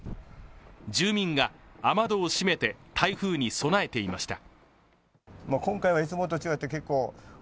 住民が、雨戸を閉めて台風に備えていました。